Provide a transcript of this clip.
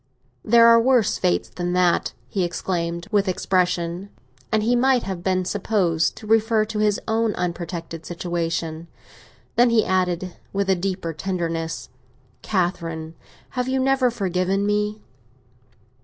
"There are worse fates than that!" he exclaimed, with expression; and he might have been supposed to refer to his own unprotected situation. Then he added, with a deeper tenderness, "Catherine, have you never forgiven me?"